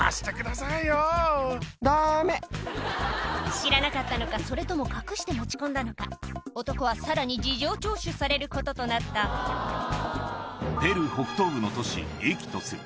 知らなかったのかそれとも隠して持ち込んだのか男はさらに事情聴取されることとなったペルー北東部の都市イキトス